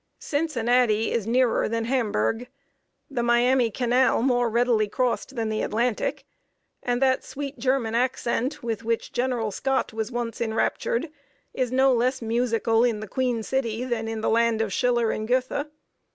Cincinnati is nearer than Hamburg, the Miami canal more readily crossed than the Atlantic, and that "sweet German accent," with which General Scott was once enraptured, is no less musical in the Queen City than in the land of Schiller and Göethe.